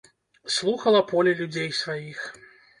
Слухала поле людзей сваіх.